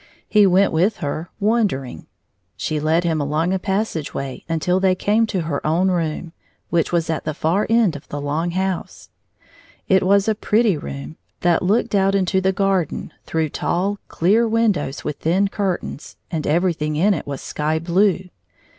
He went with her, wondering. She led him along a pas sage way until they came to her own room, which was at the far end of the long house. It was a pretty room, that looked out into the gar den through tall clear windows with thin curtains, and everything in it was sky blue.